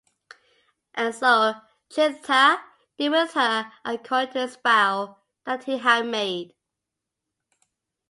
And so Jephthah "did with her according to his vow that he had made".